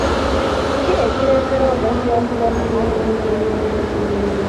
Ki ekireetera omuntu okuba omumanyifu?